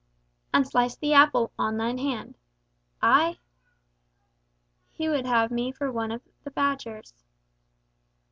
"And sliced the apple on thine hand. Ay?" "He would have me for one of his Badgers."